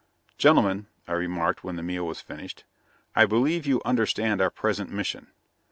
"Gentlemen," I remarked when the meal was finished, "I believe you understand our present mission.